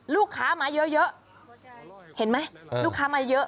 ลูกค้ามาเยอะเห็นไหมลูกค้ามาเยอะ